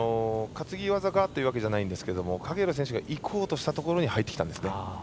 担ぎ技がというわけではないんですが影浦選手がいこうとしたところに入ってきたんですね。